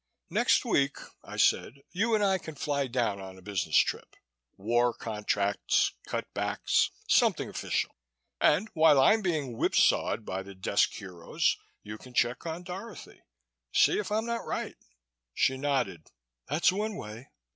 "Next week," I said, "you and I can fly down on a business trip war contracts, cut backs, something official and while I'm being whip sawed by the desk heroes you can check on Dorothy. See if I'm not right." She nodded. "That's one way.